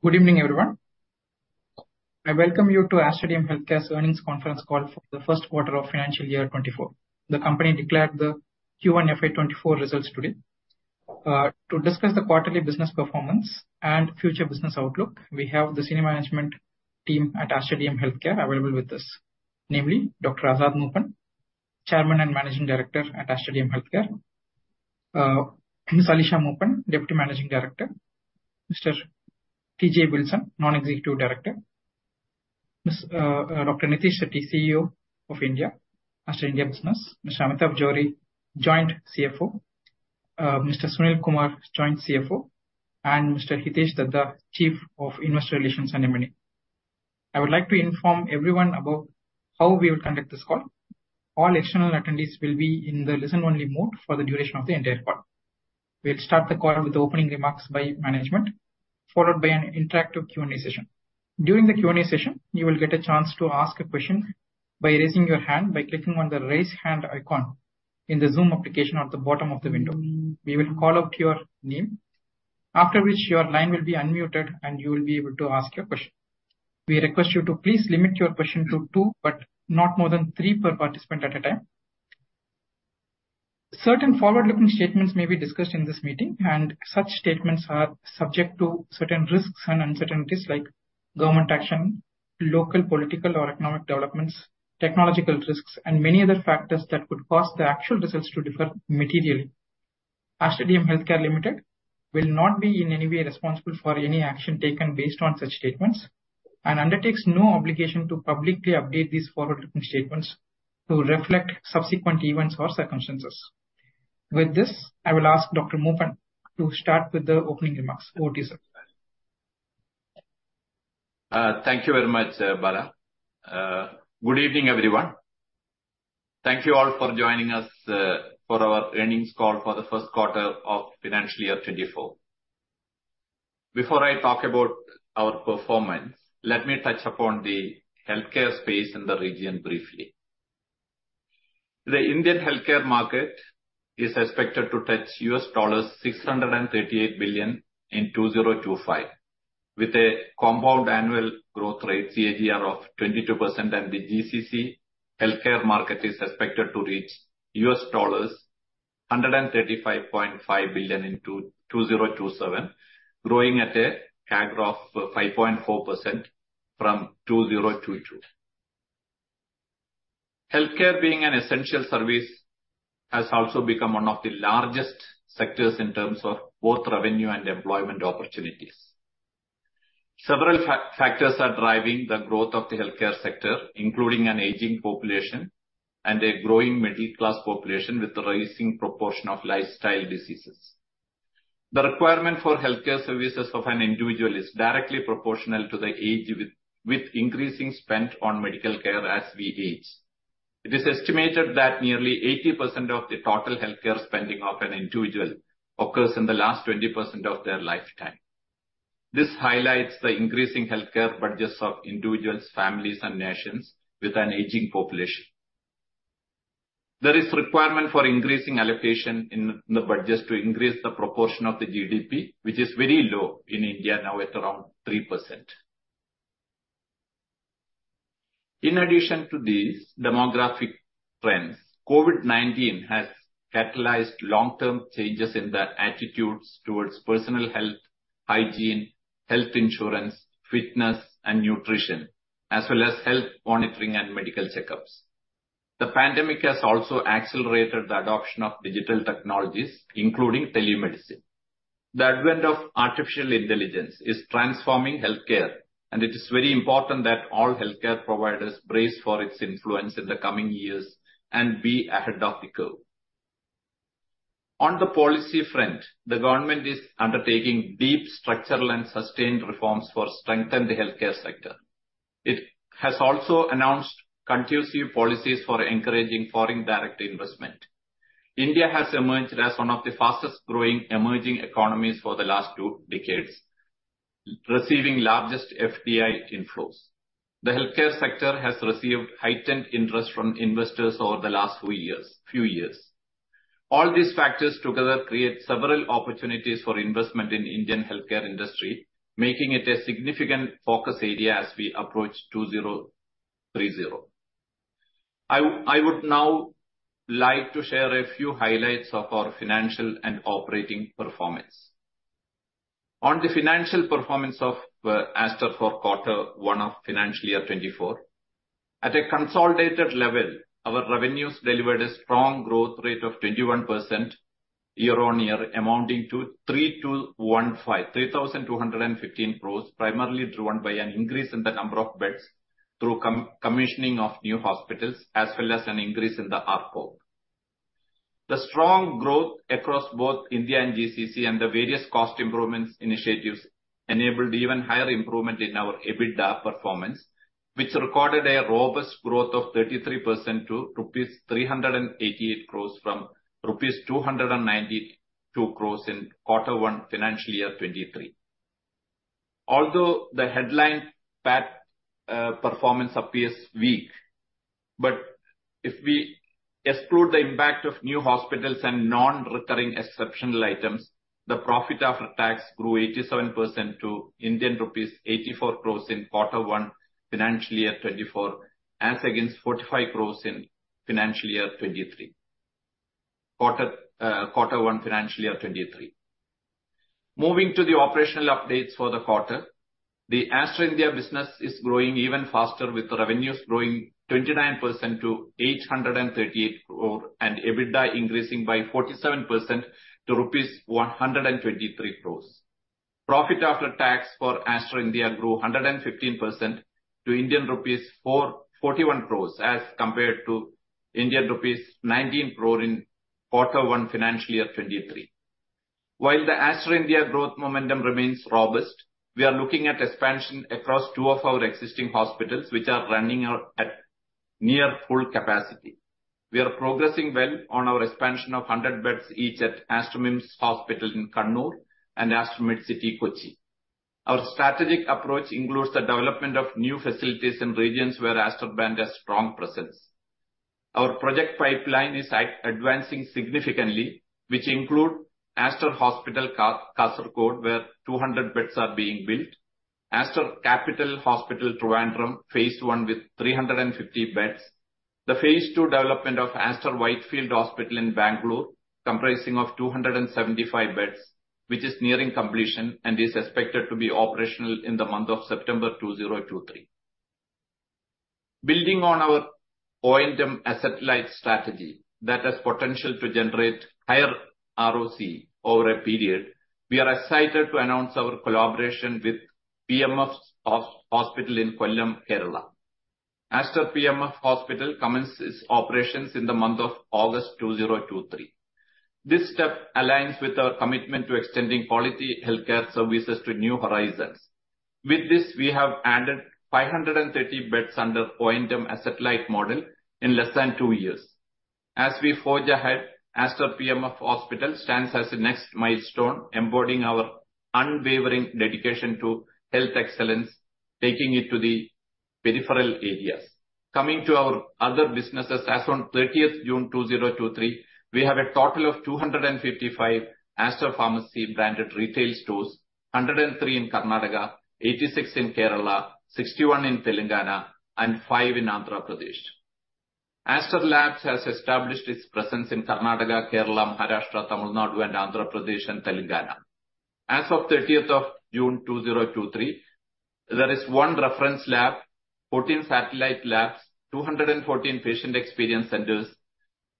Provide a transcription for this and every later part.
Good evening, everyone. I welcome you to Aster DM Healthcare's earnings conference call for the first quarter of financial year 2024. The company declared the Q1 FY 2024 results today. To discuss the quarterly business performance and future business outlook, we have the senior management team at Aster DM Healthcare available with us, namely Dr. Azad Moopen, Chairman and Managing Director at Aster DM Healthcare, Ms. Alisha Moopen, Deputy Managing Director, Mr. T.J. Wilson, Non-Executive Director, Dr. Nitish Shetty, CEO of India, Aster India Business, Mr. Amitabh Johri, Joint CFO, Mr. Sunil Kumar, Joint CFO, and Mr. Hitesh Dhaddha, Chief of Investor Relations and Admin. I would like to inform everyone about how we will conduct this call. All external attendees will be in the listen-only mode for the duration of the entire call. We'll start the call with opening remarks by management, followed by an interactive Q&A session. During the Q&A session, you will get a chance to ask a question by raising your hand by clicking on the Raise Hand icon in the Zoom application at the bottom of the window. We will call out your name, after which your line will be unmuted, and you will be able to ask your question. We request you to please limit your question to two, but not more than three per participant at a time. Certain forward-looking statements may be discussed in this meeting, such statements are subject to certain risks and uncertainties, like government action, local political or economic developments, technological risks, and many other factors that could cause the actual results to differ materially. Aster DM Healthcare Limited will not be in any way responsible for any action taken based on such statements and undertakes no obligation to publicly update these forward-looking statements to reflect subsequent events or circumstances. With this, I will ask Dr. Moopen to start with the opening remarks. Over to you, sir. Thank you very much, Bala. Good evening, everyone. Thank you all for joining us for our earnings call for the first quarter of financial year 2024. Before I talk about our performance, let me touch upon the healthcare space in the region briefly. The Indian healthcare market is expected to touch $638 billion in 2025, with a compound annual growth rate, CAGR, of 22%, and the GCC healthcare market is expected to reach $135.5 billion in 2027, growing at a CAGR of 5.4% from 2022. Healthcare, being an essential service, has also become one of the largest sectors in terms of both revenue and employment opportunities. Several factors are driving the growth of the healthcare sector, including an aging population and a growing middle class population with a rising proportion of lifestyle diseases. The requirement for healthcare services of an individual is directly proportional to the age, with increasing spend on medical care as we age. It is estimated that nearly 80% of the total healthcare spending of an individual occurs in the last 20% of their lifetime. This highlights the increasing healthcare budgets of individuals, families, and nations with an aging population. There is requirement for increasing allocation in the budgets to increase the proportion of the GDP, which is very low in India, now at around 3%. In addition to these demographic trends, COVID-19 has catalyzed long-term changes in the attitudes towards personal health, hygiene, health insurance, fitness and nutrition, as well as health monitoring and medical checkups. The pandemic has also accelerated the adoption of digital technologies, including telemedicine. The advent of artificial intelligence is transforming healthcare. It is very important that all healthcare providers brace for its influence in the coming years and be ahead of the curve. On the policy front, the government is undertaking deep structural and sustained reforms for strengthen the healthcare sector. It has also announced conducive policies for encouraging foreign direct investment. India has emerged as one of the fastest growing emerging economies for the last two decades, receiving largest FDI inflows. The healthcare sector has received heightened interest from investors over the last few years, few years. All these factors together create several opportunities for investment in Indian healthcare industry, making it a significant focus area as we approach 2030. I would now like to share a few highlights of our financial and operating performance. On the financial performance of Aster for Q1 FY 2024, at a consolidated level, our revenues delivered a strong growth rate of 21% year-on-year, amounting to 3,215 crore, primarily driven by an increase in the number of beds through commissioning of new hospitals, as well as an increase in the ARPOB. The strong growth across both India and GCC and the various cost improvements initiatives enabled even higher improvement in our EBITDA performance, which recorded a robust growth of 33% to rupees 388 crore from rupees 292 crore in Q1 FY 2023. Although the headline PAT performance appears weak. If we exclude the impact of new hospitals and non-recurring exceptional items, the profit after tax grew 87% to Indian rupees 84 crore in quarter one, financial year 2024, as against 45 crore in financial year 2023. Quarter one, financial year 2023. Moving to the operational updates for the quarter, the Aster India business is growing even faster, with revenues growing 29% to 838 crore, and EBITDA increasing by 47% to rupees 123 crore. Profit after tax for Aster India grew 115% to Indian rupees 41 crore, as compared to Indian rupees 19 crore in quarter one, financial year 2023. While the Aster India growth momentum remains robust, we are looking at expansion across two of our existing hospitals, which are running out at near full capacity. We are progressing well on our expansion of 100 beds, each at Aster MIMS Hospital in Kannur and Aster Medcity, Kochi. Our strategic approach includes the development of new facilities in regions where Aster brand has strong presence. Our project pipeline is advancing significantly, which include Aster Hospital Kasaragod, where 200 beds are being built, Aster Capital Hospital, Trivandrum, phase I with 350 beds. The phase II development of Aster Whitefield Hospital in Bangalore, comprising of 275 beds, which is nearing completion and is expected to be operational in the month of September 2023. Building on our O&M asset light strategy that has potential to generate higher ROC over a period, we are excited to announce our collaboration with PMF Hospital in Kollam, Kerala. Aster PMF Hospital commences its operations in the month of August 2023. This step aligns with our commitment to extending quality healthcare services to new horizons. With this, we have added 530 beds under OIM asset light model in less than two years. As we forge ahead, Aster PMF Hospital stands as the next milestone, embodying our unwavering dedication to health excellence, taking it to the peripheral areas. Coming to our other businesses, as on June 30, 2023, we have a total of 255 Aster Pharmacy branded retail stores, 103 in Karnataka, 86 in Kerala, 61 in Telangana, and five in Andhra Pradesh. Aster Labs has established its presence in Karnataka, Kerala, Maharashtra, Tamil Nadu, and Andhra Pradesh, and Telangana. As of 30th of June, 2023, there is one reference lab, 14 satellite labs, 214 patient experience centers.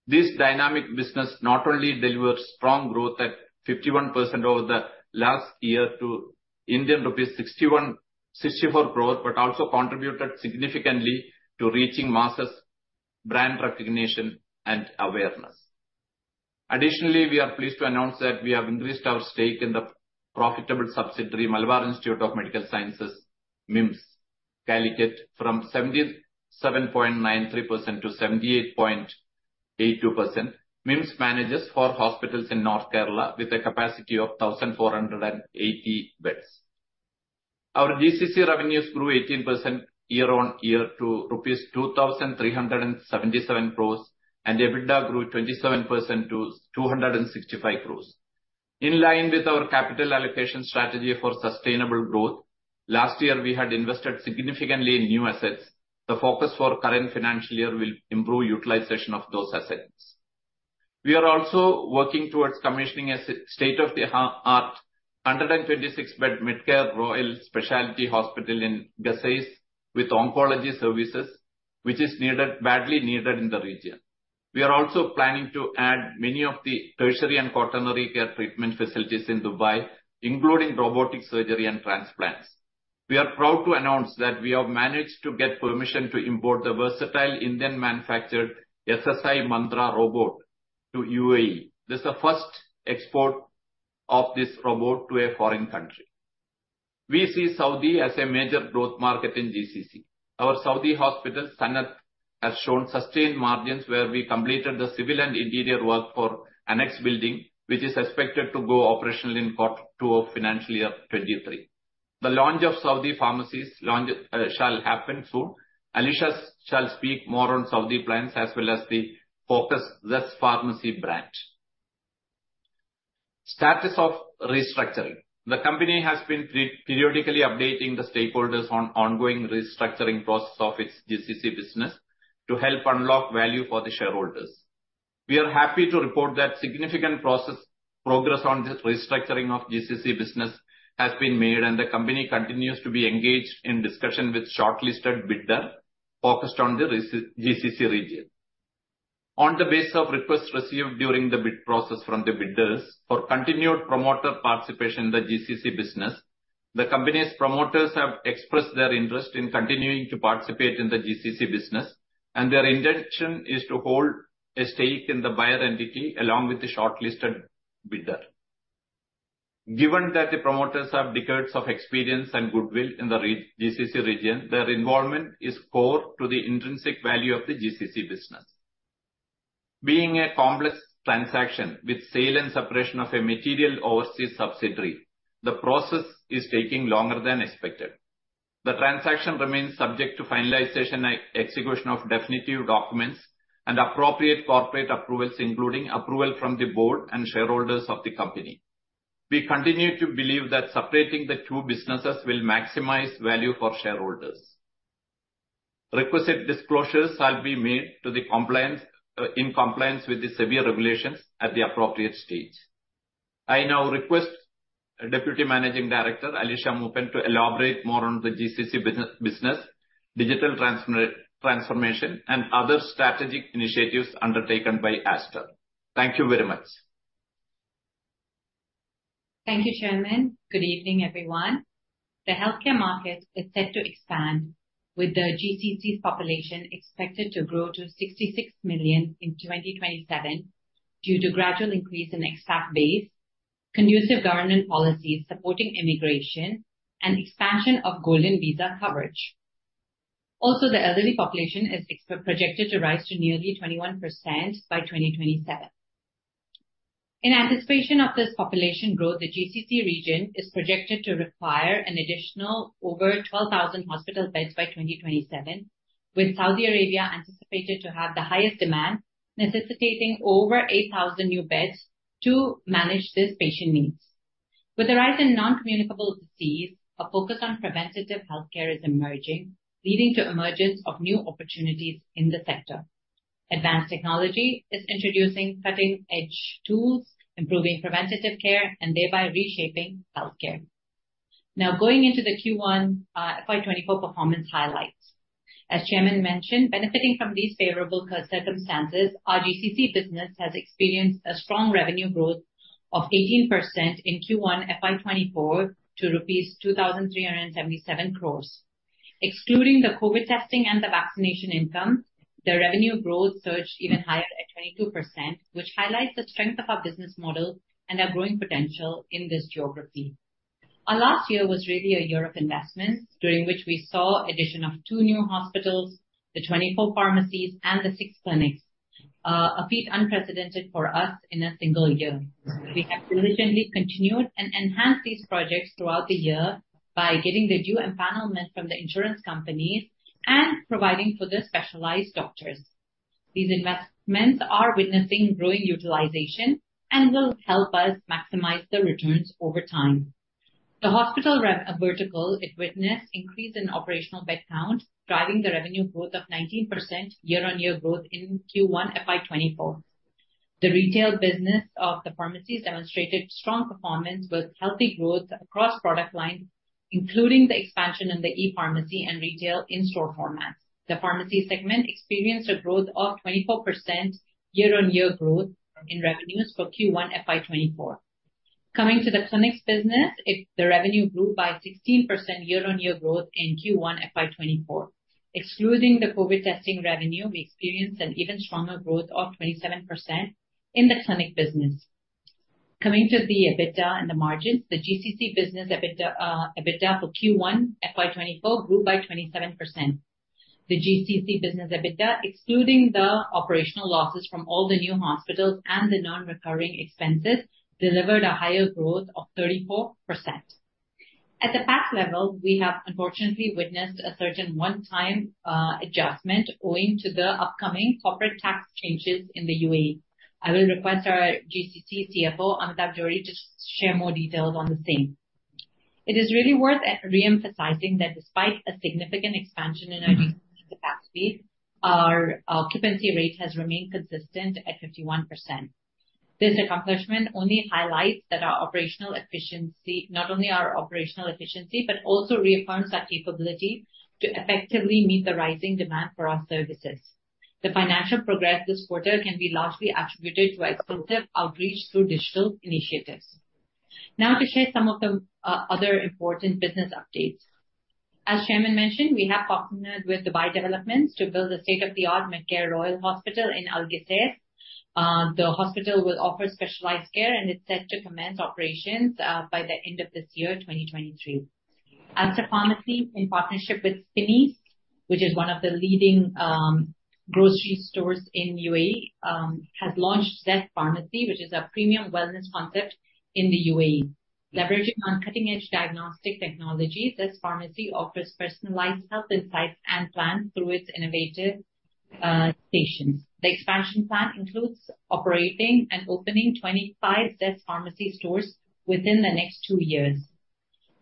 This dynamic business not only delivers strong growth at 51% over the last year to Indian rupees 61.64 crore, but also contributed significantly to reaching masses, brand recognition and awareness. Additionally, we are pleased to announce that we have increased our stake in the profitable subsidiary, Malabar Institute of Medical Sciences, MIMS, Calicut, from 77.93% to 78.82%. MIMS manages four hospitals in North Kerala with a capacity of 1,480 beds. Our GCC revenues grew 18% year-over-year to rupees 2,377 crore. EBITDA grew 27% to 265 crore. In line with our capital allocation strategy for sustainable growth, last year we had invested significantly in new assets. The focus for current financial year will improve utilization of those assets. We are also working towards commissioning a state-of-the-art, 126-bed Medcare Royal Speciality Hospital in Al Qusais, with oncology services, which is needed, badly needed in the region. We are also planning to add many of the tertiary and quaternary care treatment facilities in Dubai, including robotic surgery and transplants. We are proud to announce that we have managed to get permission to import the versatile Indian-manufactured SSi Mantra robot to UAE. This is the first export of this robot to a foreign country. We see Saudi as a major growth market in GCC. Our Saudi hospital, Sanad, has shown sustained margins where we completed the civil and interior work for annex building, which is expected to go operational in Q2 FY 2023. The launch of Saudi pharmacies launch shall happen soon. Alicia shall speak more on Saudi plans as well as the focused Zest Pharmacy brand. Status of restructuring. The company has been periodically updating the stakeholders on ongoing restructuring process of its GCC business to help unlock value for the shareholders. We are happy to report that significant process progress on the restructuring of GCC business has been made, and the company continues to be engaged in discussion with shortlisted bidder focused on the GCC region. On the basis of requests received during the bid process from the bidders for continued promoter participation in the GCC business, the company's promoters have expressed their interest in continuing to participate in the GCC business, and their intention is to hold a stake in the buyer entity along with the shortlisted bidder. Given that the promoters have decades of experience and goodwill in the GCC region, their involvement is core to the intrinsic value of the GCC business. Being a complex transaction with sale and separation of a material overseas subsidiary, the process is taking longer than expected. The transaction remains subject to finalization and execution of definitive documents and appropriate corporate approvals, including approval from the board and shareholders of the company. We continue to believe that separating the two businesses will maximize value for shareholders. Requisite disclosures shall be made to the compliance, in compliance with the SEBI regulations at the appropriate stage. I now request Deputy Managing Director, Alisha Moopen, to elaborate more on the GCC business, business, digital transformation, and other strategic initiatives undertaken by Aster. Thank you very much. Thank you, Chairman. Good evening, everyone. The healthcare market is set to expand, with the GCC's population expected to grow to 66 million in 2027 due to gradual increase in expat base, conducive government policies supporting immigration, and expansion of Golden Visa coverage. Also, the elderly population is projected to rise to nearly 21% by 2027. In anticipation of this population growth, the GCC region is projected to require an additional over 12,000 hospital beds by 2027, with Saudi Arabia anticipated to have the highest demand, necessitating over 8,000 new beds to manage these patient needs. With the rise in non-communicable disease, a focus on preventative healthcare is emerging, leading to emergence of new opportunities in the sector. Advanced technology is introducing cutting-edge tools, improving preventative care, and thereby reshaping healthcare. Now, going into the Q1 FY 2024 performance highlights. As Chairman mentioned, benefiting from these favorable circumstances, our GCC business has experienced a strong revenue growth of 18% in Q1 FY 2024 to rupees 2,377 crore. Excluding the COVID testing and the vaccination income, the revenue growth surged even higher at 22%, which highlights the strength of our business model and our growing potential in this geography. Our last year was really a year of investments, during which we saw addition of two new hospitals, the 24 pharmacies, and the 6 clinics, a feat unprecedented for us in a single year. We have diligently continued and enhanced these projects throughout the year by getting the due empanelment from the insurance companies and providing for the specialized doctors. These investments are witnessing growing utilization and will help us maximize the returns over time. The hospital revenue vertical, it witnessed increase in operational bed count, driving the revenue growth of 19% year-on-year growth in Q1 FY 2024. The retail business of the pharmacies demonstrated strong performance with healthy growth across product lines, including the expansion in the e-pharmacy and retail in-store formats. The pharmacy segment experienced a growth of 24% year-on-year growth in revenues for Q1 FY 2024. Coming to the clinics business, the revenue grew by 16% year-on-year growth in Q1 FY 2024. Excluding the COVID testing revenue, we experienced an even stronger growth of 27% in the clinic business. Coming to the EBITDA and the margins, the GCC business EBITDA, EBITDA for Q1 FY 2024 grew by 27%. The GCC business EBITDA, excluding the operational losses from all the new hospitals and the non-recurring expenses, delivered a higher growth of 34%. At the tax level, we have unfortunately witnessed a certain one-time adjustment owing to the upcoming corporate tax changes in the UAE. I will request our GCC CFO, Amitabh Johri, to share more details on the same. It is really worth re-emphasizing that despite a significant expansion in our capacity, our occupancy rate has remained consistent at 51%. This accomplishment only highlights that our operational efficiency, not only our operational efficiency, but also reaffirms our capability to effectively meet the rising demand for our services. The financial progress this quarter can be largely attributed to extensive outreach through digital initiatives. Now, to share some of the other important business updates. As Chairman mentioned, we have partnered with Dubai Developments to build a state-of-the-art Medcare Royal Hospital in Al Qusais. The hospital will offer specialized care, and it's set to commence operations by the end of this year, 2023. Aster Pharmacy, in partnership with Spinneys, which is one of the leading grocery stores in UAE, has launched Zest Pharmacy, which is a premium wellness concept in the UAE. Leveraging on cutting-edge diagnostic technology, Zest Pharmacy offers personalized health insights and plan through its innovative stations. The expansion plan includes operating and opening 25 Zest Pharmacy stores within the next two years.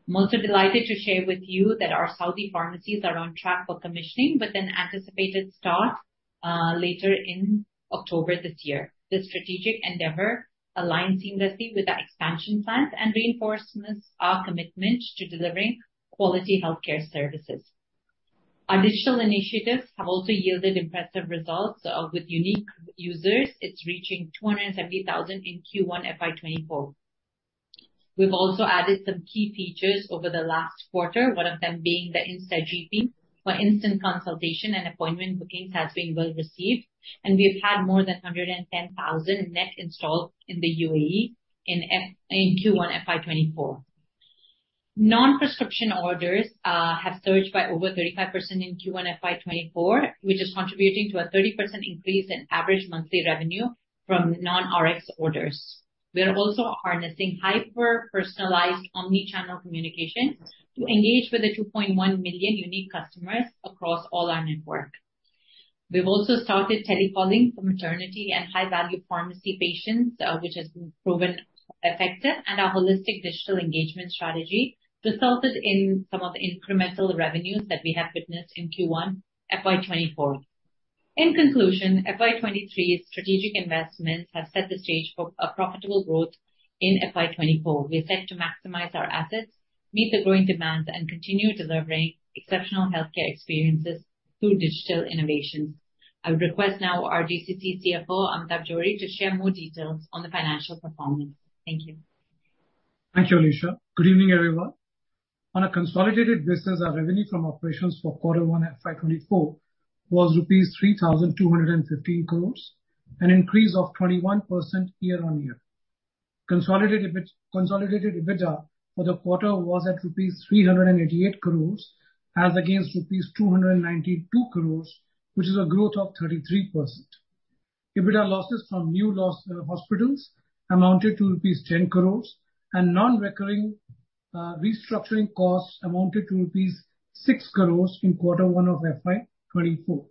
I'm also delighted to share with you that our Saudi pharmacies are on track for commissioning with an anticipated start later in October this year. This strategic endeavor aligns seamlessly with our expansion plans and reinforcements our commitment to delivering quality healthcare services. Our digital initiatives have also yielded impressive results with unique users. It's reaching 270,000 in Q1 FY 2024. We've also added some key features over the last quarter, one of them being the Instant GP, where instant consultation and appointment bookings has been well received, and we've had more than 110,000 net installs in the UAE in Q1 FY 2024. Non-prescription orders have surged by over 35% in Q1 FY 2024, which is contributing to a 30% increase in average monthly revenue from non-Rx orders. We are also harnessing hyper-personalized omni-channel communication to engage with the 2.1 million unique customers across all our network. We've also started telecalling for maternity and high-value pharmacy patients, which has been proven effective, and our holistic digital engagement strategy resulted in some of the incremental revenues that we have witnessed in Q1 FY 2024. In conclusion, FY 2023's strategic investments have set the stage for a profitable growth in FY 2024. We are set to maximize our assets, meet the growing demands, and continue delivering exceptional healthcare experiences through digital innovations. I would request now our GCC CFO, Amitabh Johri, to share more details on the financial performance. Thank you. Thank you, Alisha. Good evening, everyone. On a consolidated basis, our revenue from operations for quarter one FY 2024 was rupees 3,215 crore, an increase of 21% year-on-year. Consolidated EBITDA for the quarter was at rupees 388 crore, as against rupees 292 crore, which is a growth of 33%. EBITDA losses from new loss hospitals amounted to rupees 10 crore, and non-recurring restructuring costs amounted to rupees 6 crore in Q1 FY 2024.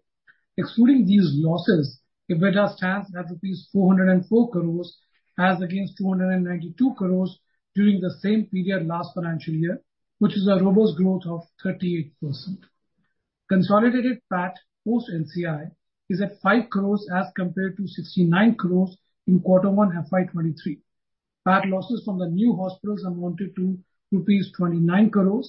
Excluding these losses, EBITDA stands at rupees 404 crore, as against 292 crore during the same period last financial year, which is a robust growth of 38%. Consolidated PAT, post NCI, is at 5 crore as compared to 69 crore in Q1 FY 2023. PAT losses from the new hospitals amounted to rupees 29 crore,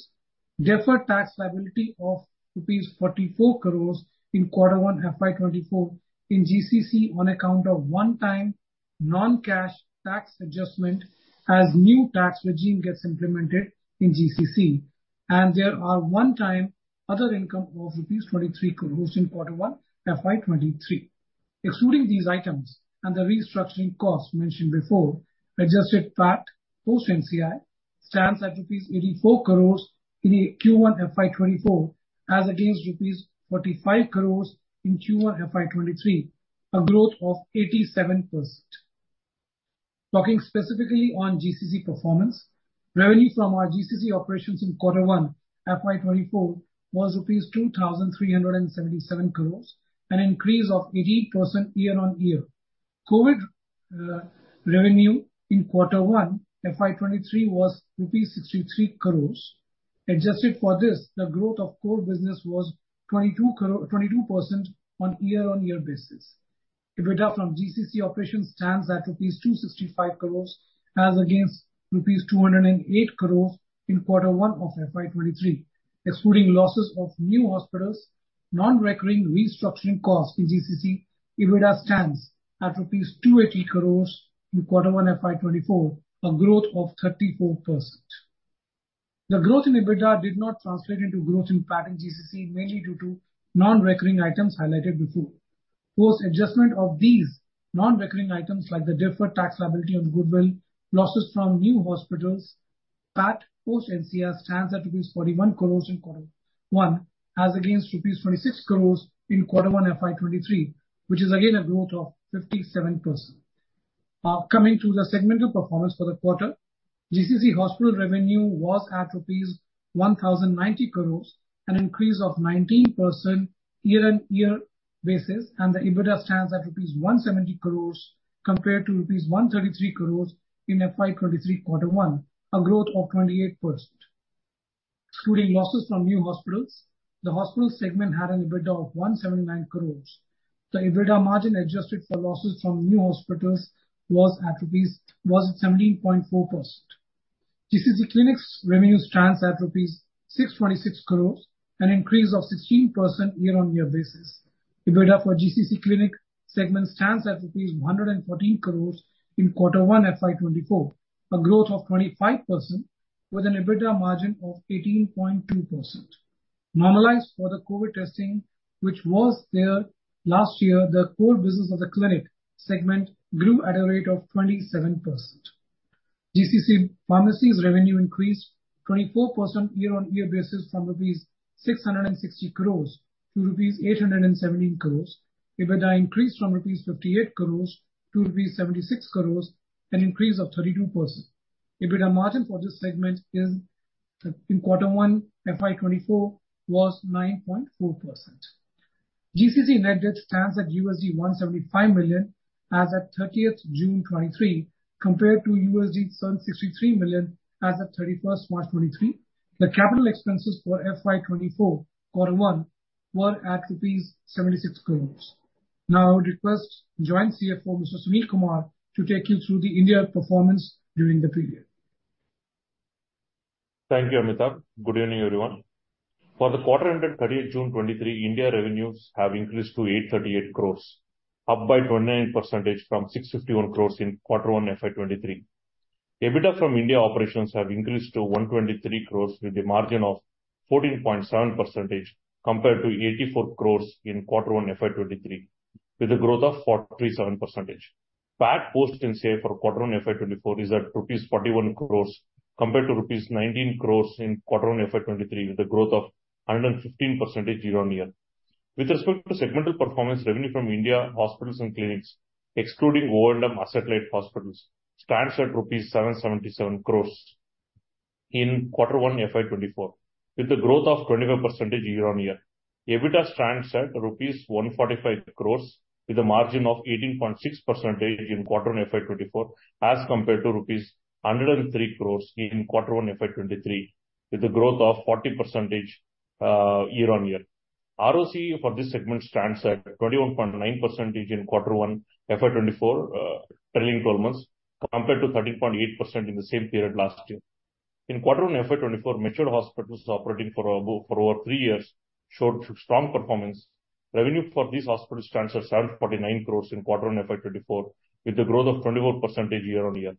deferred tax liability of rupees 44 crore in Q1 FY 2024 in GCC on account of one-time non-cash tax adjustment, as new tax regime gets implemented in GCC. There are one-time other income of rupees 23 crore in Q1 FY 2023. Excluding these items and the restructuring costs mentioned before, adjusted PAT post NCI stands at rupees 84 crore in Q1 FY 2024, as against rupees 45 crore in Q1 FY 2023, a growth of 87%. Talking specifically on GCC performance, revenue from our GCC operations in quarter one FY 2024 was rupees 2,377 crore, an increase of 18% year-on-year. COVID revenue in Q1 FY 2023 was rupees 63 crore. Adjusted for this, the growth of core business was 22% on year-on-year basis. EBITDA from GCC operations stands at rupees 265 crore, as against rupees 208 crore in Q1 FY 2023. Excluding losses of new hospitals, non-recurring restructuring costs in GCC, EBITDA stands at INR 280 crore in Q1 FY 2024, a growth of 34%. The growth in EBITDA did not translate into growth in PAT in GCC, mainly due to non-recurring items highlighted before. Post adjustment of these non-recurring items, like the deferred tax liability on goodwill, losses from new hospitals, PAT post NCI stands at rupees 41 crore in Q1, as against rupees 26 crore in Q1 FY 2023, which is again a growth of 57%. Coming to the segmental performance for the quarter, GCC hospital revenue was at rupees 1,090 crore, an increase of 19% year-on-year basis. The EBITDA stands at rupees 170 crore compared to rupees 133 crore in FY 2023, Q1, a growth of 28%. Excluding losses from new hospitals, the hospital segment had an EBITDA of 179 crore. The EBITDA margin adjusted for losses from new hospitals was 17.4%. GCC Clinics revenues stands at rupees 626 crore, an increase of 16% year-on-year basis. EBITDA for GCC Clinic segment stands at 114 crore in Q1 FY 2024, a growth of 25% with an EBITDA margin of 18.2%. Normalized for the COVID testing, which was there last year, the core business of the clinic segment grew at a rate of 27%. GCC Pharmacy's revenue increased 24% year-on-year basis from rupees 660 crore to rupees 817 crore. EBITDA increased from rupees 58 crore to rupees 76 crore, an increase of 32%. EBITDA margin for this segment in Q1 FY 2024 was 9.4%. GCC net debt stands at $175 million as at June 30, 2023, compared to $163 million as of March 31, 2023. The CapEx for FY 2024, Q1, were at rupees 76 crore. Now I would request Joint CFO, Mr. Sunil Kumar, to take you through the India performance during the period. Thank you, Amitabh. Good evening, everyone. For the quarter ended 30th June 2023, India revenues have increased to 838 crore, up by 29% from 651 crore in Q1 FY 2023. EBITDA from India operations have increased to 123 crore, with a margin of 14.7%, compared to 84 crore in Q1 FY 2023. With a growth of 47%. PAT, post NCI, for Q1 FY 2024 is at rupees 41 crore, compared to rupees 19 crore in Q1 FY 2023, with a growth of 115% year-on-year. With respect to segmental performance, revenue from India, hospitals and clinics, excluding O&M asset-light hospitals, stands at INR 777 crore in Q1 FY 2024, with a growth of 25% year-on-year. EBITDA stands at rupees 145 crore, with a margin of 18.6% in Q1 FY 2024, as compared to rupees 103 crore in Q1 FY 2023, with a growth of 40% year-on-year. ROC for this segment stands at 21.9% in Q1 FY 2024, trailing 12 months, compared to 13.8% in the same period last year. In Q1 FY 2024, mature hospitals operating for over three years showed strong performance. Revenue for these hospitals stands at 749 crore in Q1 FY 2024, with a growth of 24% year-on-year.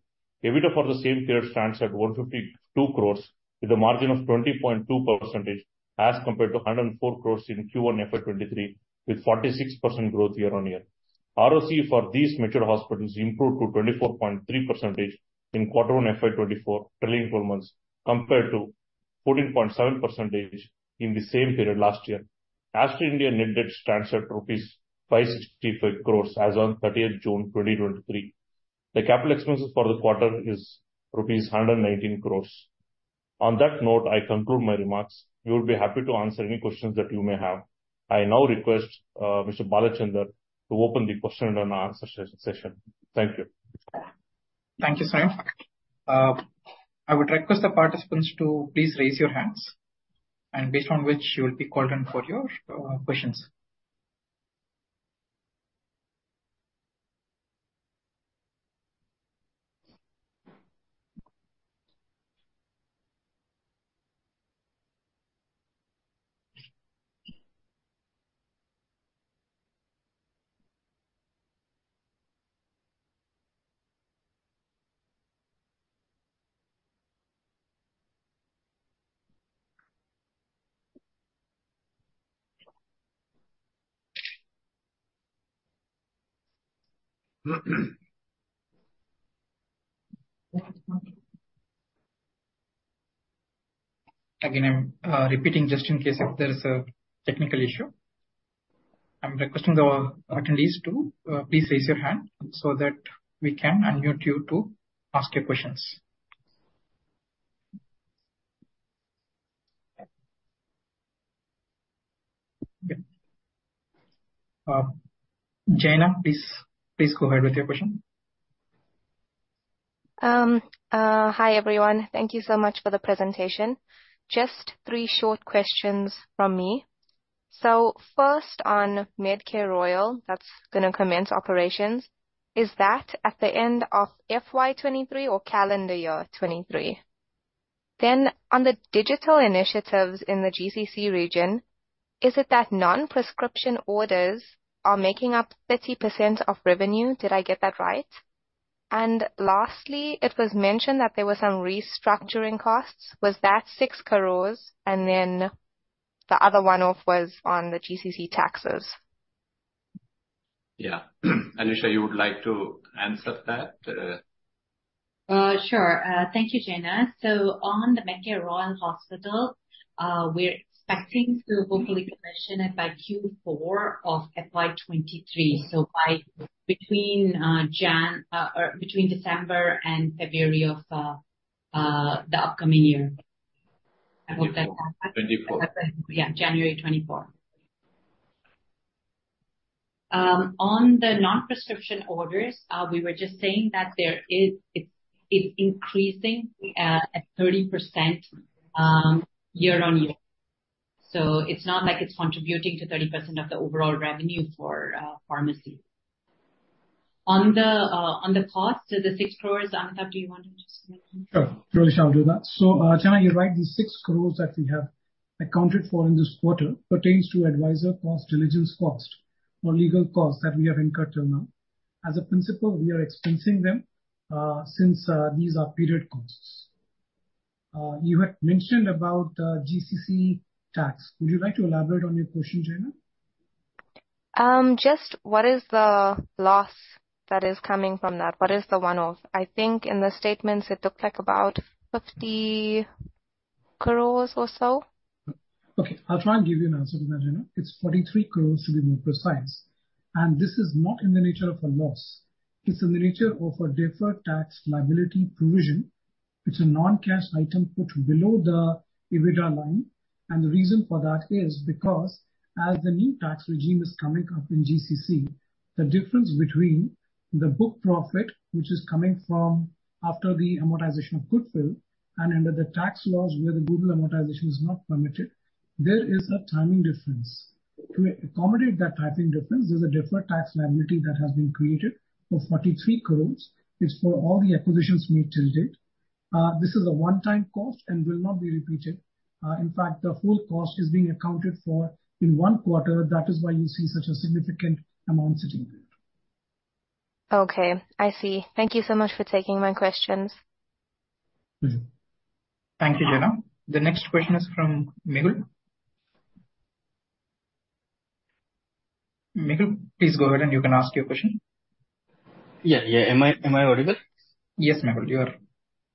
EBITDA for the same period stands at 152 crore, with a margin of 20.2%, as compared to 104 crore in Q1 FY 2023, with 46% growth year-on-year. ROC for these mature hospitals improved to 24.3% in Q1 FY 2024 trailing 12 months, compared to 14.7% in the same period last year. Aster India net debt stands at 565 crore rupees as on June 30, 2023. The capital expenses for the quarter is 119 crore. On that note, I conclude my remarks. We will be happy to answer any questions that you may have. I now request Mr. Balachander to open the question and answer session. Thank you. Thank you, Sayo. I would request the participants to please raise your hands, and based on which you will be called on for your questions. Again, I'm repeating just in case if there's a technical issue. I'm requesting the attendees to please raise your hand so that we can unmute you to ask your questions. Okay. Jaina, please, please go ahead with your question. Hi, everyone. Thank you so much for the presentation. Just three short questions from me. First, on Medcare Royal, that's gonna commence operations, is that at the end of FY 2023 or calendar year 2023? On the digital initiatives in the GCC region, is it that non-prescription orders are making up 30% of revenue? Did I get that right? Lastly, it was mentioned that there were some restructuring costs. Was that 6 crore, and then the other one-off was on the GCC taxes? Yeah. Alisha, you would like to answer that? Sure. Thank you, Jaina. On the Medcare Royal Hospital, we're expecting to hopefully commission it by Q4 of FY 2023, so by between December and February of the upcoming year. I hope that- 24. Yeah, January 24. On the non-prescription orders, we were just saying that there is... It's, it's increasing at 30% year-on-year, so it's not like it's contributing to 30% of the overall revenue for pharmacy. On the cost, the 6 crore, Amitabh, do you want to just explain? Sure. Really, I'll do that. Jaina, you're right, the 6 crores that we have accounted for in this quarter pertains to adviser cost, diligence cost, or legal costs that we have incurred till now. As a principle, we are expensing them, since these are period costs. You had mentioned about GCC tax. Would you like to elaborate on your question, Jaina? Just what is the loss that is coming from that? What is the one-off? I think in the statements it looked like about 50 crore or so. Okay, I'll try and give you an answer to that, Jaina. It's 43 crore, to be more precise. This is not in the nature of a loss. It's in the nature of a deferred tax liability provision. It's a non-cash item put below the EBITDA line. The reason for that is because as the new tax regime is coming up in GCC, the difference between the book profit, which is coming from after the amortization of goodwill, and under the tax laws, where the goodwill amortization is not permitted, there is a timing difference. To accommodate that timing difference, there's a deferred tax liability that has been created of 43 crore. It's for all the acquisitions we tilted. This is a one-time cost and will not be repeated. In fact, the full cost is being accounted for in one quarter. That is why you see such a significant amount sitting there. Okay, I see. Thank you so much for taking my questions. Thank you, Jaina. The next question is from Mehul. Mehul, please go ahead, and you can ask your question. Yeah, yeah. Am I, am I audible? Yes, Mehul, you are.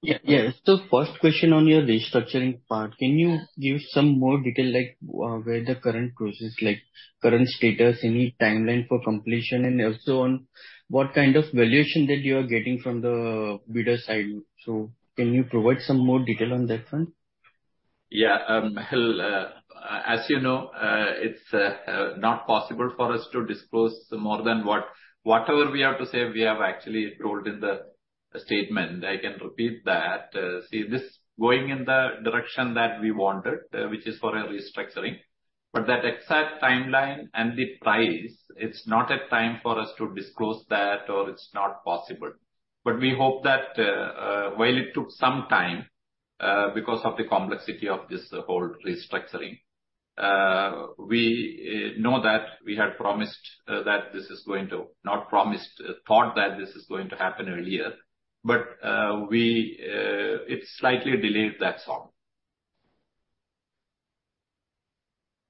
Yeah, yeah. First question on your restructuring part. Can you give some more detail, like, where the current process, like current status, any timeline for completion, and also on what kind of valuation that you are getting from the bidder side? Can you provide some more detail on that front? Yeah, Mehul, as you know, it's not possible for us to disclose more than what... Whatever we have to say, we have actually told in the statement. I can repeat that. See, this going in the direction that we wanted, which is for a restructuring, that exact timeline and the price, it's not a time for us to disclose that, or it's not possible. We hope that, while it took some time, because of the complexity of this whole restructuring, we know that we had promised that this is going to, not promised, thought that this is going to happen earlier. We, it's slightly delayed, that's all.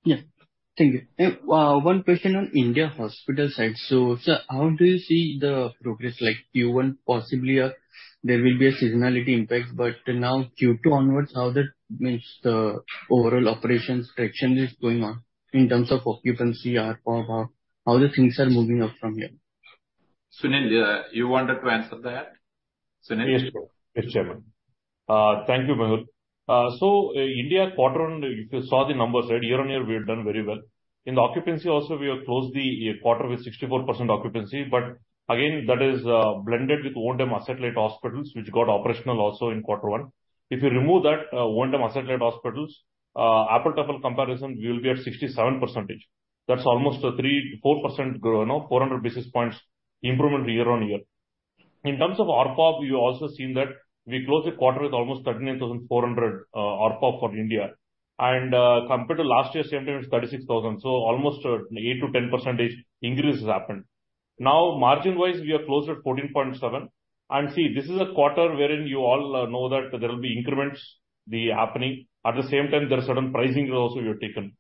Yeah. Thank you. One question on India hospital side. Sir, how do you see the progress, like Q1, possibly, there will be a seasonality impact, but now Q2 onwards, how that means the overall operations direction is going on in terms of occupancy, ARPM, how, how the things are moving up from here? Sunil, you wanted to answer that? Sunil? Yes, sure. Yes, Chairman. Thank you, Mehul. India quarter, and if you saw the numbers, right, year-on-year, we have done very well. In the occupancy also, we have closed the quarter with 64% occupancy, but again, that is blended with Odem satellite hospitals, which got operational also in Q1. If you remove that, Odem satellite hospitals, apple to apple comparison, we will be at 67%. That's almost a 3%-4% grow, you know, 400 basis points improvement year-on-year. In terms of ARPOB, we've also seen that we closed the quarter with almost 13,400 ARPOB for India. Compared to last year, same time, it's 36,000. Almost 8%-10% increase has happened. Margin-wise, we have closed at 14.7%, and see, this is a quarter wherein you all know that there will be increments be happening. At the same time, there are certain pricing also we have taken.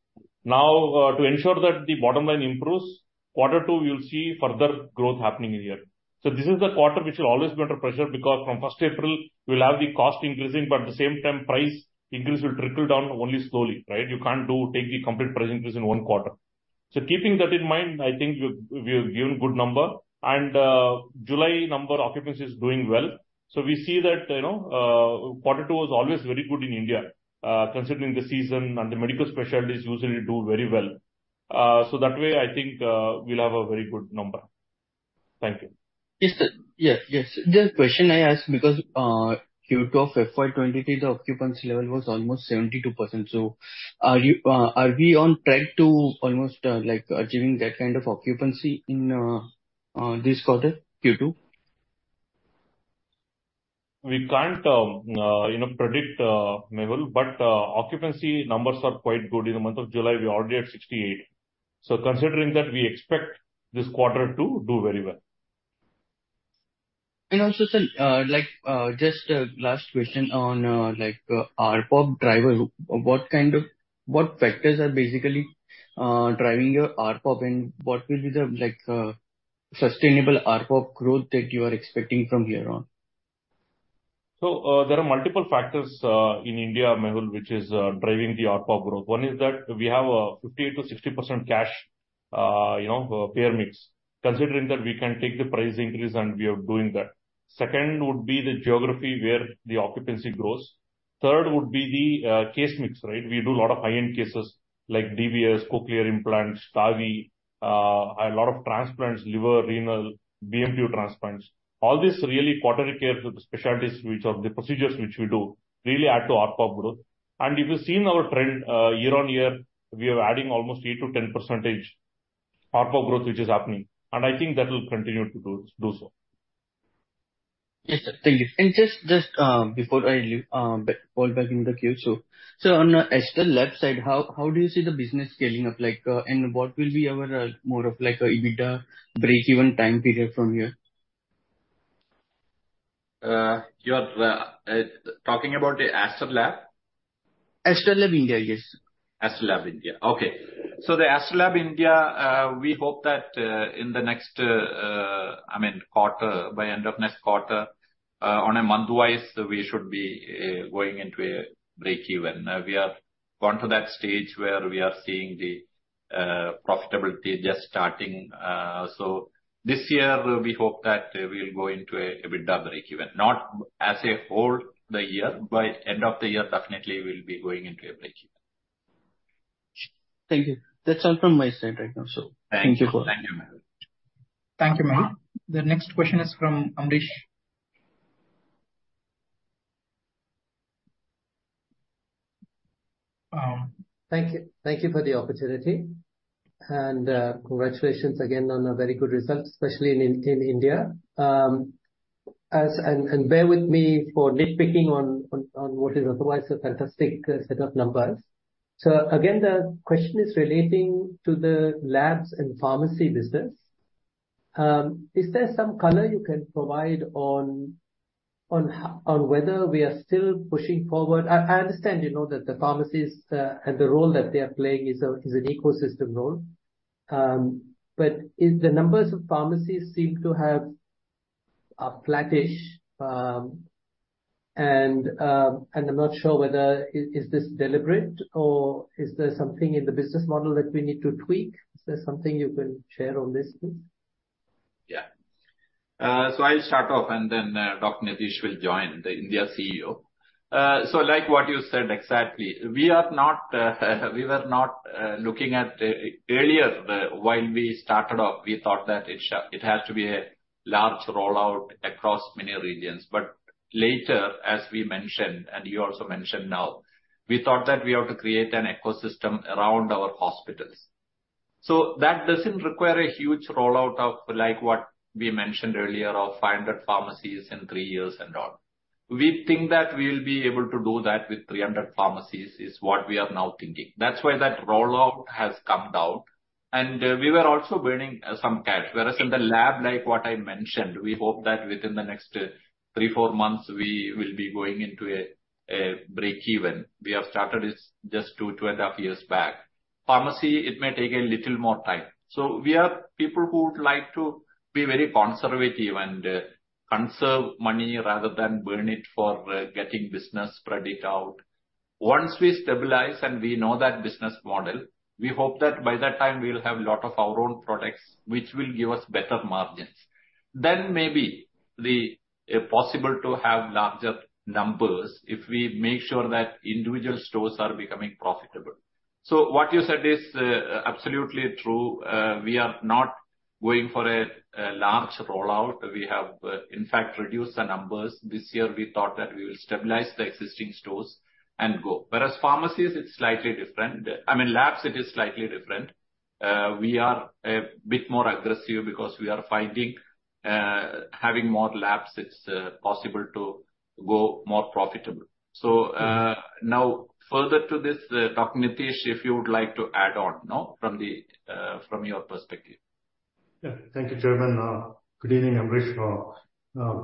To ensure that the bottom line improves, quarter two, you'll see further growth happening in here. This is the quarter which will always be under pressure, because from first April, we'll have the cost increasing, but at the same time, price increase will trickle down only slowly, right? You can't do, take the complete price increase in one quarter. Keeping that in mind, I think we've, we have given good number, and July number occupancy is doing well. We see that, you know, quarter two is always very good in India, considering the season and the medical specialties usually do very well. That way, I think, we'll have a very good number. Thank you. Yes, sir. Yes, yes. The question I asked, because, Q2 of FY 2023, the occupancy level was almost 72%. Are you, are we on track to almost, like, achieving that kind of occupancy in, this quarter, Q2? We can't, you know, predict, Mehul, but occupancy numbers are quite good. In the month of July, we are already at 68. Considering that, we expect this quarter to do very well. Also, sir, like, just a last question on, like, ARPOB driver. What factors are basically driving your ARPOB, and what will be the, like, sustainable ARPOB growth that you are expecting from here on? There are multiple factors in India, Mehul, which is driving the ARPOB growth. One is that we have a 50%-60% cash, you know, payer mix. Considering that, we can take the price increase, and we are doing that. Second would be the geography where the occupancy grows. Third would be the case mix, right? We do a lot of high-end cases like DBS, cochlear implants, TAVI, a lot of transplants, liver, renal, BMT transplants. All these really quaternary care specialties, which are the procedures which we do, really add to ARPOB growth. If you've seen our trend, year on year, we are adding almost 8%-10% ARPOB growth, which is happening, and I think that will continue to do, do so. Yes, sir. Thank you. Just, before I leave, fall back into the queue. On, Aster Labs side, how, how do you see the business scaling up? Like, what will be our, more of like a EBITDA break-even time period from here? You are talking about the Aster Labs? Aster Labs India, yes. Aster Labs India. The Aster Labs India, we hope that in the next quarter, by end of next quarter, on a month-wise, we should be going into a break-even. We are gone to that stage where we are seeing the profitability just starting. This year, we hope that we'll go into an EBITDA break-even, not as a whole the year, by end of the year, definitely we'll be going into a break-even. Thank you. That's all from my side right now, so- Thank you. Thank you for it. Thank you, Mehul. Thank you, Mehul. The next question is from Ambrish. Thank you. Thank you for the opportunity, and congratulations again on a very good result, especially in India. As, bear with me for nitpicking on what is otherwise a fantastic set of numbers. Again, the question is relating to the Labs and pharmacy business. Is there some color you can provide on whether we are still pushing forward? I understand, you know, that the pharmacies, and the role that they are playing is an ecosystem role. The numbers of pharmacies seem to have, are flattish, and I'm not sure whether is this deliberate, or is there something in the business model that we need to tweak? Is there something you can share on this, please? Yeah. I'll start off, and then Dr. Nitish will join, the India CEO. Like what you said, exactly, we are not, we were not looking at the... Earlier, the, while we started off, we thought that it had to be a large rollout across many regions. Later, as we mentioned, and you also mentioned now, we thought that we have to create an ecosystem around our hospitals. That doesn't require a huge rollout of like what we mentioned earlier, of 500 pharmacies in three years and all. We think that we'll be able to do that with 300 pharmacies, is what we are now thinking. That's why that rollout has come down. We were also burning some cash. Whereas in the lab, like what I mentioned, we hope that within the next three, fourmonths, we will be going into a break-even. We have started this just two, 2.5 years back. Pharmacy, it may take a little more time. We are people who would like to be very conservative and conserve money rather than burn it for getting business, spread it out. Once we stabilize and we know that business model, we hope that by that time we'll have a lot of our own products, which will give us better margins. Then maybe the possible to have larger numbers, if we make sure that individual stores are becoming profitable. What you said is absolutely true. We are not going for a large rollout. We have, in fact, reduced the numbers. This year we thought that we will stabilize the existing stores and go. Whereas pharmacies, it's slightly different. I mean, labs, it is slightly different. We are a bit more aggressive because we are finding, having more labs, it's possible to go more profitable. Now further to this, Dr. Nitish, if you would like to add on, no, from the from your perspective. Yeah. Thank you, Chairman. Good evening, Ambrish.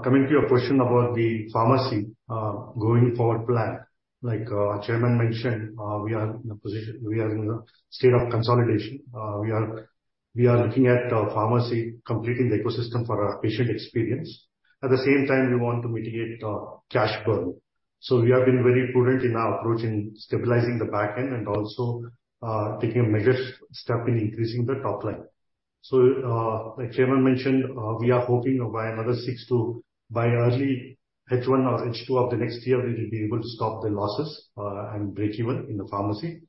Coming to your question about the pharmacy, going forward plan. Like our Chairman mentioned, we are in a position, we are in a state of consolidation. We are looking at pharmacy completing the ecosystem for our patient experience. At the same time, we want to mitigate cash burn. We have been very prudent in our approach in stabilizing the back end and also taking a major step in increasing the top line. Like Chairman mentioned, we are hoping by another six to, by early H1 or H2 of the next year, we will be able to stop the losses and break even in the pharmacy.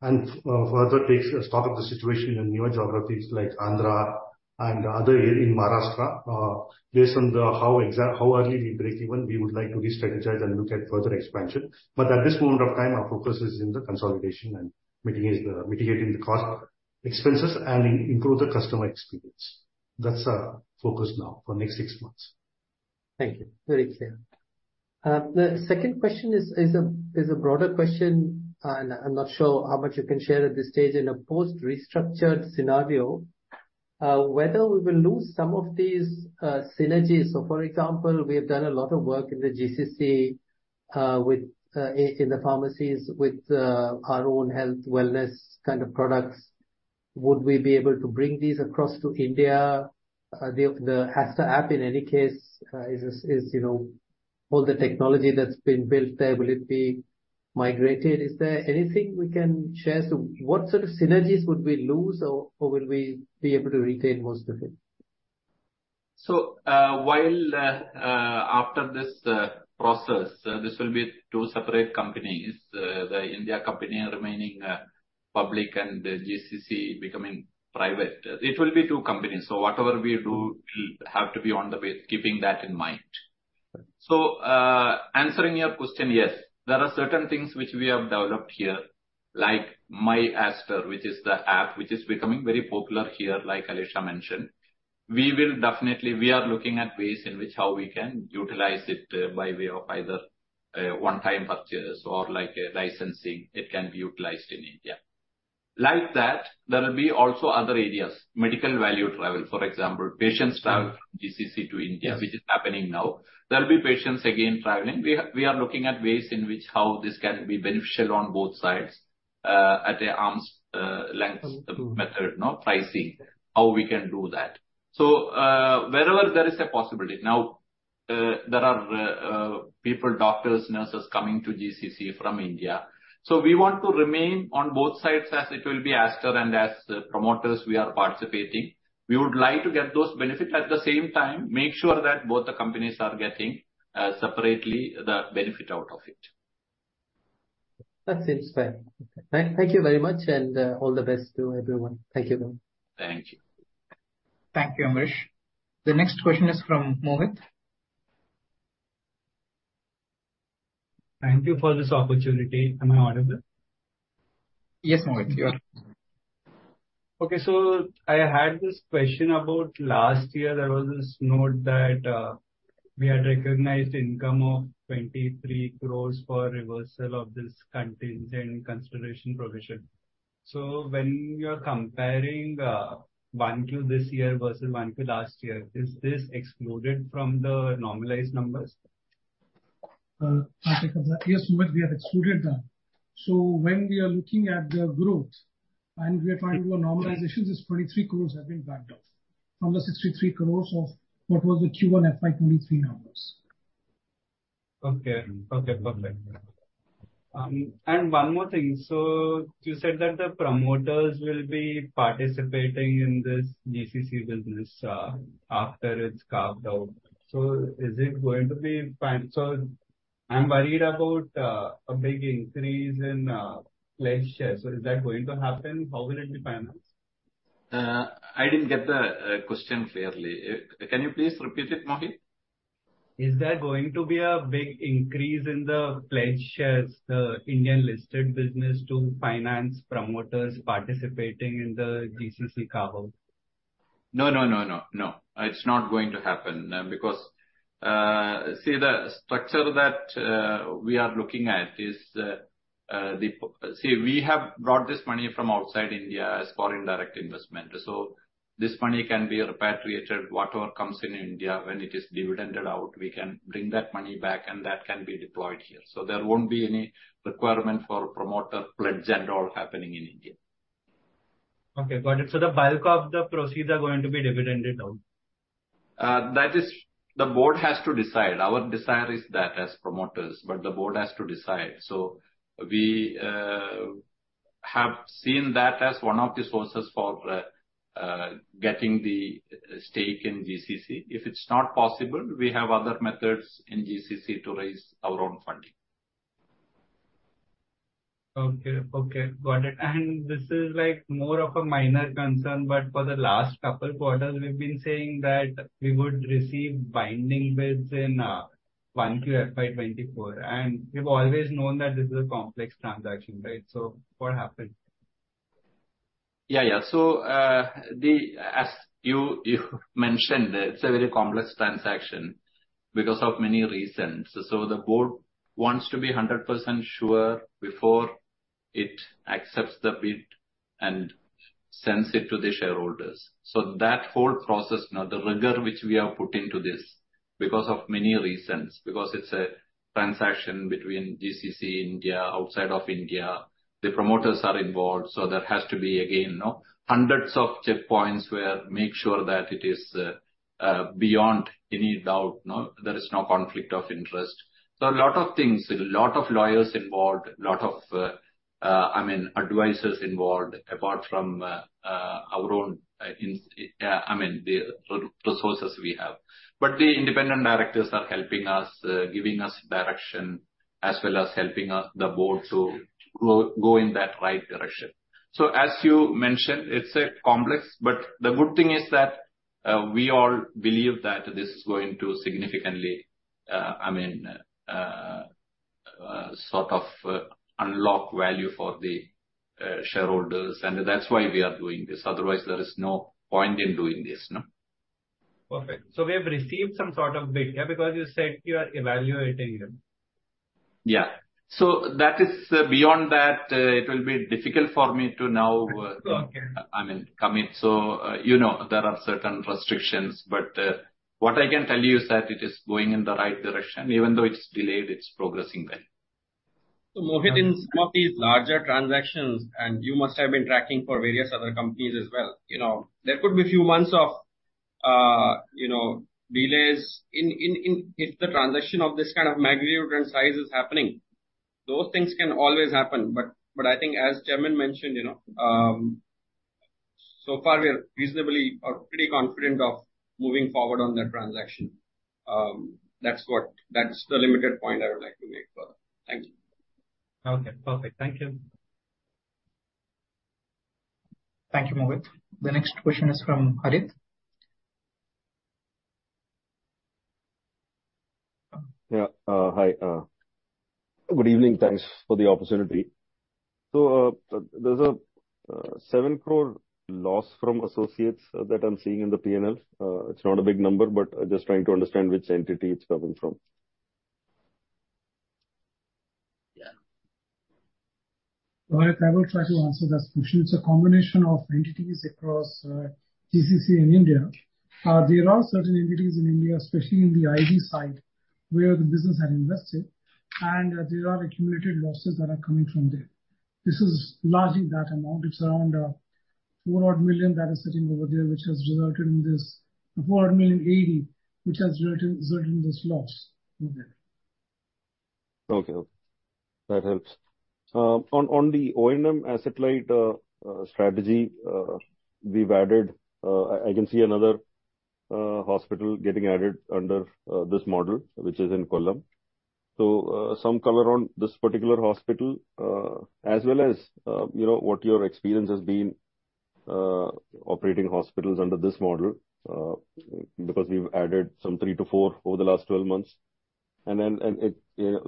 Further take stock of the situation in new geographies like Andhra and other area in Maharashtra. Based on the, how exact, how early we break even, we would like to restrategize and look at further expansion. At this moment of time, our focus is in the consolidation and mitigating the cost, expenses, and improve the customer experience. That's our focus now for next six months. Thank you. Very clear. The second question is a broader question, and I'm not sure how much you can share at this stage in a post-restructured scenario, whether we will lose some of these synergies. For example, we have done a lot of work in the GCC, with, in the pharmacies, with, our own health, wellness kind of products. Would we be able to bring these across to India? The, the Aster app, in any case, is, is, you know, all the technology that's been built there, will it be migrated? Is there anything we can share? What sort of synergies would we lose, or, or will we be able to retain most of it? While after this process, this will be two separate companies. The India company remaining public and the GCC becoming private. It will be two companies, so whatever we do will have to be on the way, keeping that in mind. Answering your question, yes, there are certain things which we have developed here, like myAster, which is the app, which is becoming very popular here, like Alisha mentioned. We will definitely, we are looking at ways in which how we can utilize it by way of either a one-time purchase or like a licensing. It can be utilized in India. Like that, there will be also other areas, medical value travel, for example, patients travel from GCC to India. Yes. which is happening now. There will be patients again traveling. We are, we are looking at ways in which how this can be beneficial on both sides, at an arm's length method, no pricing, how we can do that. Wherever there is a possibility. Now, there are people, doctors, nurses, coming to GCC from India, so we want to remain on both sides, as it will be Aster, and as the promoters, we are participating. We would like to get those benefits, at the same time, make sure that both the companies are getting separately, the benefit out of it. That seems fair. Thank you very much. All the best to everyone. Thank you very much. Thank you. Thank you, Ambrish. The next question is from Mohit. Thank you for this opportunity. Am I audible? Yes, Mohit, you are. Okay, I had this question about last year. There was this note that we had recognized income of 23 crore for reversal of this contingent consideration provision. When you are comparing one to this year versus one to last year, is this excluded from the normalized numbers? I think that, yes, Mohit, we have excluded that. When we are looking at the growth and we are trying to do a normalization, this 23 crores have been backed out from the 63 crores of what was the Q1 FY 2023 numbers. Okay. Okay, perfect. And one more thing. You said that the promoters will be participating in this GCC business after it's carved out. Is it going to be fine? I'm worried about a big increase in pledge shares. Is that going to happen? How will it be financed? I didn't get the question clearly. Can you please repeat it, Mohit? Is there going to be a big increase in the pledge shares, the Indian-listed business, to finance promoters participating in the GCC carve-out? No, no, no, no, no. It's not going to happen, because, see, the structure that we are looking at is the. See, we have brought this money from outside India as foreign direct investment. This money can be repatriated. Whatever comes in India, when it is dividended out, we can bring that money back, and that can be deployed here. There won't be any requirement for promoter pledge and all happening in India. Okay, got it. The bulk of the proceeds are going to be dividended out? That is, the board has to decide. Our desire is that as promoters, but the board has to decide. We have seen that as one of the sources for getting the stake in GCC. If it's not possible, we have other methods in GCC to raise our own funding. Okay. Okay, got it. This is, like, more of a minor concern, but for the last couple quarters, we've been saying that we would receive binding bids in, Q1 FY 2024, and we've always known that this is a complex transaction, right? What happened? Yeah, yeah. The, as you mentioned, it's a very complex transaction because of many reasons. The board wants to be 100% sure before it accepts the bid and sends it to the shareholders. That whole process, now, the rigor which we have put into this because of many reasons, because it's a transaction between GCC India, outside of India, the promoters are involved, there has to be, again, no, hundreds of checkpoints where make sure that it is beyond any doubt, no, there is no conflict of interest. A lot of things, a lot of lawyers involved, a lot of, I mean, advisors involved, apart from our own, I mean, the resources we have. The independent directors are helping us, giving us direction, as well as helping us, the board, to go, go in that right direction. As you mentioned, it's complex, but the good thing is that we all believe that this is going to significantly, I mean, sort of, unlock value for the shareholders, and that's why we are doing this. Otherwise, there is no point in doing this, no? Perfect. We have received some sort of bid, yeah? Because you said you are evaluating them. Yeah. That is. Beyond that, it will be difficult for me to now. Okay. I mean, commit. You know, there are certain restrictions, what I can tell you is that it is going in the right direction. Even though it's delayed, it's progressing well. Mohit, in some of these larger transactions, and you must have been tracking for various other companies as well, you know, there could be a few months of, you know, delays in... If the transaction of this kind of magnitude and size is happening, those things can always happen. But I think as chairman mentioned, you know, so far, we are reasonably or pretty confident of moving forward on that transaction. That's the limited point I would like to make for. Thank you. Okay, perfect. Thank you. Thank you, Mohit. The next question is from Harit. Hi, good evening. Thanks for the opportunity. There's a 7 crore loss from associates that I'm seeing in the P&L. It's not a big number, but just trying to understand which entity it's coming from. Yeah. All right, I will try to answer that question. It's a combination of entities across GCC in India. There are certain entities in India, especially in the IG side, where the business had invested, and there are accumulated losses that are coming from there. This is largely that amount. It's around $4 odd million that is sitting over there, which has resulted in this $4,000,080, which has resulted in this loss. Okay. Okay, that helps. On the O&M asset-light strategy, we've added, I can see another hospital getting added under this model, which is in Kollam. Some color on this particular hospital, as well as, you know, what your experience has been operating hospitals under this model, because we've added some three, four over the last 12 months. Then,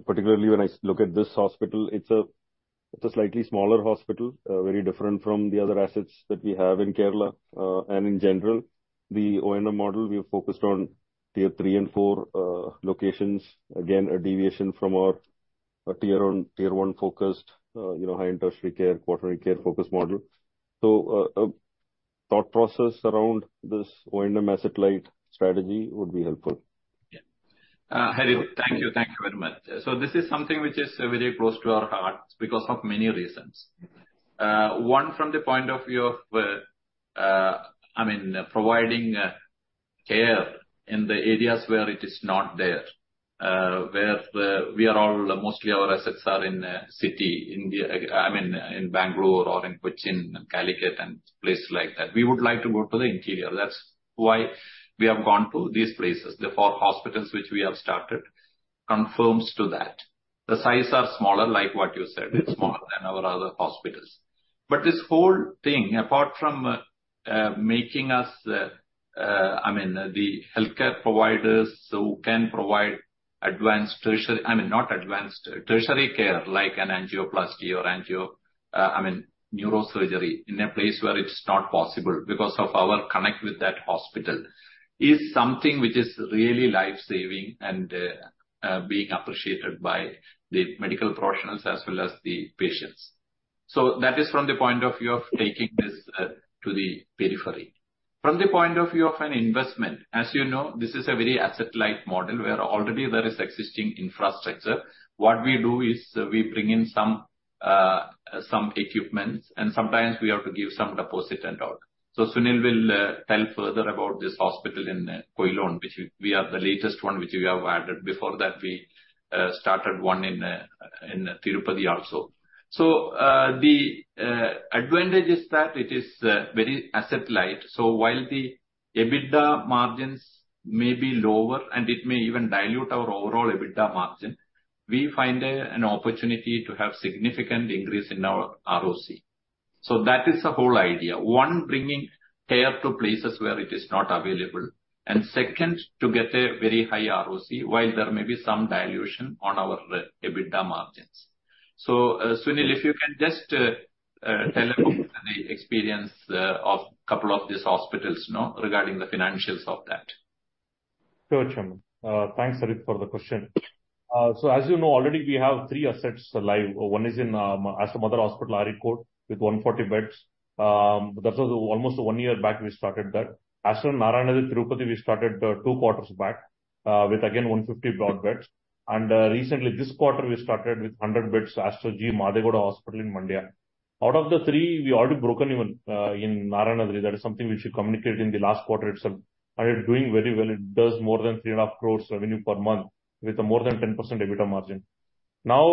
particularly when I look at this hospital, it's a slightly smaller hospital, very different from the other assets that we have in Kerala. In general, the O&M model, we are focused on Tier 3 and 4 locations. Again, a deviation from our Tier 1 focused, you know, high industry care, quaternary care focus model. Thought process around this O&M asset-light strategy would be helpful. Yeah. Harit, thank you. Thank you very much. This is something which is very close to our hearts because of many reasons. One, from the point of view of, I mean, providing, care in the areas where it is not there, where we are all mostly our assets are in the city, India, I mean, in Bangalore or in Kochi, Calicut, and places like that. We would like to go to the interior. That's why we have gone to these places. The four hospitals which we have started confirms to that. The size are smaller, like what you said, it's smaller than our other hospitals. This whole thing, apart from, making us, I mean, the healthcare providers who can provide advanced tertiary... I mean, not advanced, tertiary care, like an angioplasty or angio, I mean neurosurgery, in a place where it's not possible because of our connect with that hospital, is something which is really life-saving and being appreciated by the medical professionals as well as the patients. That is from the point of view of taking this to the periphery. From the point of view of an investment, as you know, this is a very asset-light model where already there is existing infrastructure. What we do is we bring in some equipment, and sometimes we have to give some deposit and all. Sunil will tell further about this hospital in Kollam, which we are the latest one, which we have added. Before that, we started one in Tirupati also. The advantage is that it is very asset light. While the EBITDA margins may be lower and it may even dilute our overall EBITDA margin, we find an opportunity to have significant increase in our ROC. That is the whole idea. One, bringing care to places where it is not available, and second, to get a very high ROC, while there may be some dilution on our EBITDA margins. Sunil, if you can just tell us the experience of a couple of these hospitals now, regarding the financials of that. Sure, Chairman. Thanks, Harit, for the question. As you know, already we have three assets live. One is in Aster Mother Hospital, Areekode, with 140 beds. That was almost one year back, we started that. Aster Narayanadri Tirupati, we started two quarters back, with again, 150 odd beds. Recently, this quarter, we started with 100 beds, Aster G Madegowda Hospital in Mandya. Out of the three, we already broken even in Narayanadri, that is something which we communicated in the last quarter itself. It's doing very well. It does more than 3.5 crore revenue per month, with a more than 10% EBITDA margin. Now,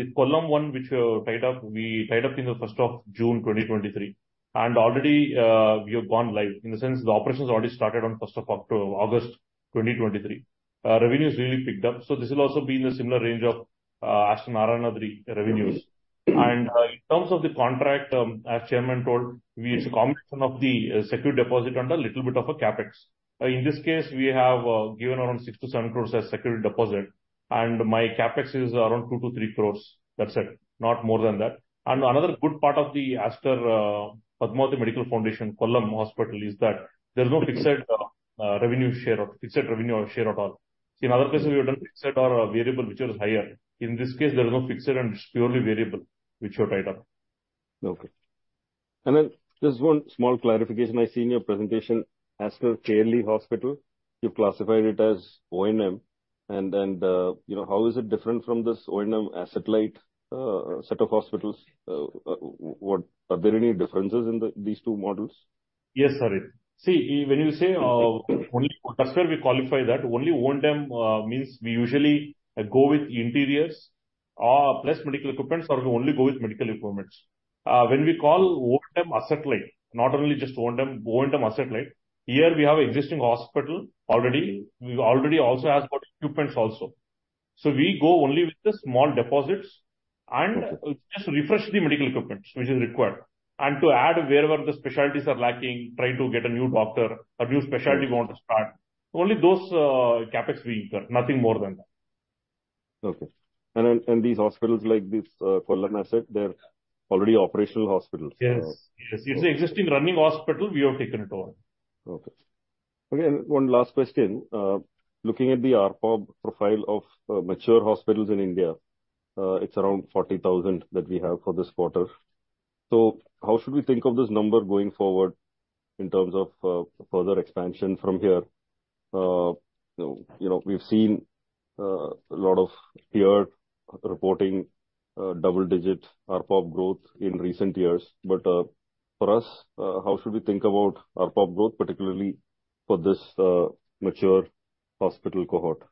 the Kollam one, which, tied up, we tied up in June 1, 2023, and already, we have gone live, in the sense the operations already started on August 1, 2023. Revenue is really picked up, so this will also be in the similar range of Aster Narayanadri revenues. In terms of the contract, as chairman told, we use a combination of the secure deposit and a little bit of CapEx. In this case, we have given around 6-7 crore as security deposit, and my CapEx is around 2- 3 crore. That's it, not more than that. Another good part of the Aster Padmavathy Medical Foundation, Kollam Hospital, is that there's no fixed revenue share or fixed revenue or share at all. In other cases, we've done fixed or a variable, which is higher. In this case, there is no fixed and it's purely variable, which we tied up. Okay. Then just one small clarification. I see in your presentation, I see in your presentation as per KLE Yes, Harit. See, when you say, only that's where we qualify that, only O&M, means we usually go with interiors, plus medical equipments, or we only go with medical equipments. When we call O&M asset-light, not only just O&M, O&M asset-light, here we have existing hospital already. We've already also asked about equipments also. We go only with the small deposits and just refresh the medical equipments which is required, and to add wherever the specialties are lacking, try to get a new doctor, a new specialty we want to start. Only those CapEx we incur, nothing more than that. Okay. These hospitals like this, Kollam asset, they're already operational hospitals? Yes. Yes, it's an existing running hospital. We have taken it over. Okay. Again, one last question. Looking at the ARPOB profile of mature hospitals in India, it's around 40,000 that we have for this quarter. How should we think of this number going forward in terms of further expansion from here? You know, we've seen a lot of peer reporting double-digit ARPOB growth in recent years, but for us, how should we think about ARPOB growth, particularly for this mature hospital cohort?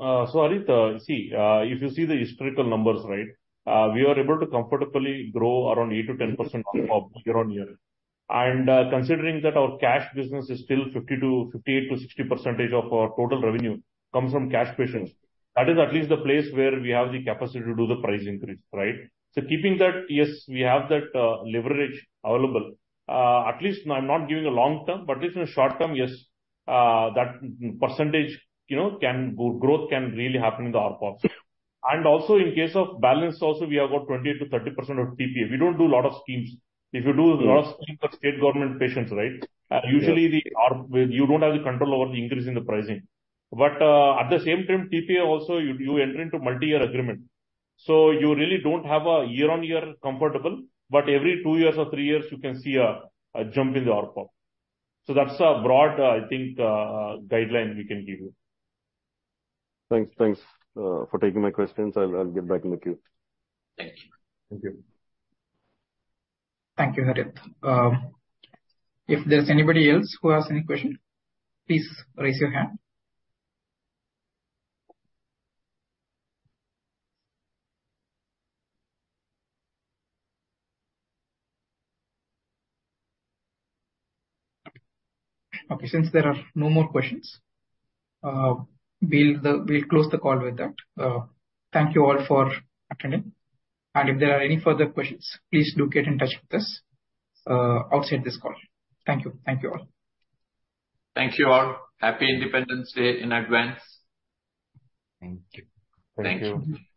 Harit, if you see the historical numbers, right, we are able to comfortably grow around 8%-10% ARPOB year-on-year. Considering that our cash business is still 58%-60% of our total revenue comes from cash patients, that is at least the place where we have the capacity to do the price increase, right? Keeping that, yes, we have that leverage available. At least I'm not giving a long term, but at least in the short term, yes, that percentage, you know, growth can really happen in the ARPOB. Also, in case of balance also, we have got 28%-30% of TPA. We don't do a lot of schemes. If you do a lot of schemes for state government patients, right? Yeah. You don't have the control over the increase in the pricing. At the same time, TPA also, you, you enter into multi-year agreement. You really don't have a year-on-year comparable, but every two years or three years, you can see a, a jump in the ARPOB. That's a broad, I think, guideline we can give you. Thanks. Thanks, for taking my questions. I'll, I'll get back in the queue. Thank you. Thank you. Thank you, Harit. If there's anybody else who has any questions, please raise your hand. Okay, since there are no more questions, we'll close the call with that. Thank you all for attending, and if there are any further questions, please do get in touch with us outside this call. Thank you. Thank you all. Thank you all. Happy Independence Day in advance. Thank you. Thank you.